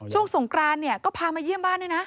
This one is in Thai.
สงกรานเนี่ยก็พามาเยี่ยมบ้านด้วยนะ